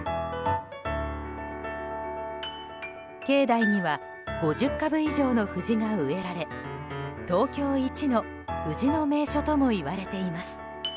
境内には５０株以上の藤が植えられ東京一の藤の名所ともいわれています。